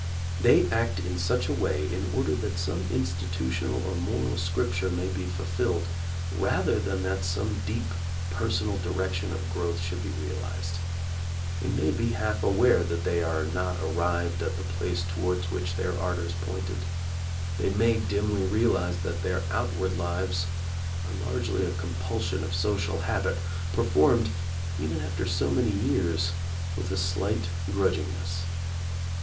They act in such a way in order that some institutional or moral scripture may be fulfilled, rather than that some deep personal direction of growth should be realized. They may be half aware that they are not arrived at the place towards which their ardors pointed. They may dimly realize that their outward lives are largely a compulsion of social habit, performed, even after so many years, with a slight grudgingness.